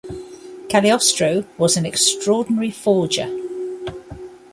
Cagliostro was an extraordinary forger.